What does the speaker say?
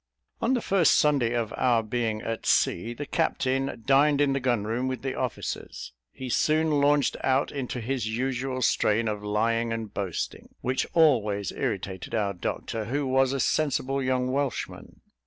On the first Sunday of our being at sea, the captain dined in the gun room with the officers. He soon launched out into his usual strain of lying and boasting, which always irritated our doctor, who was a sensible young Welshman.